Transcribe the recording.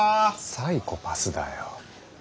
サイコパスだよ。